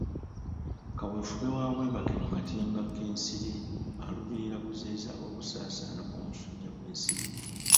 Kaweefube wa webake mu katimba k'ensiri aluubirira kuziyiza okusaasaana kw'omusujja gw'ensiri.